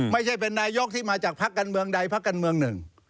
ไม่ใช่เป็นนายกที่มาจากพักการเมืองใดพักกันเมืองหนึ่ง